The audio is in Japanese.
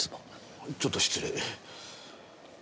ちょっと失礼。